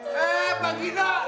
lu lagi ya